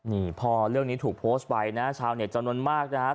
นี่พอเรื่องนี้ถูกโพสต์ไปนะชาวเน็ตจำนวนมากนะครับ